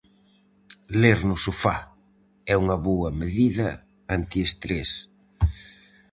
Ler no sofá é unha boa medida antiestrés.